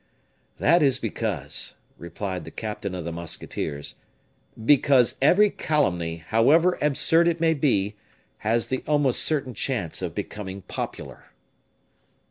"That is because," replied the captain of the musketeers "because every calumny, however absurd it may be, has the almost certain chance of becoming popular."